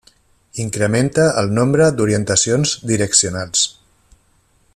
Incrementa el nombre d'orientacions direccionals.